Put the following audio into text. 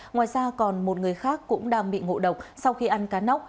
ngoài ra còn một người khác cũng đang bị ngộ độc sau khi ăn cá nóc